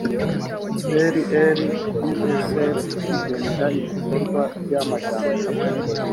rldsf igenera ibikorwa by’ amajyambere